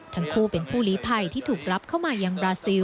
ทั้งคู่เป็นผู้ลีภัยที่ถูกรับเข้ามายังบราซิล